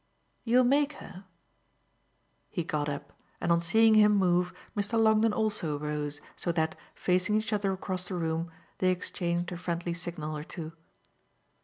"You'll make her?" He got up, and on seeing him move Mr. Longdon also rose, so that, facing each other across the room, they exchanged a friendly signal or two.